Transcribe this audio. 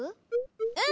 うん！